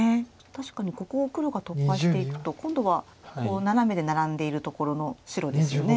確かにここを黒が突破していくと今度はナナメでナラんでいるところの白ですよね。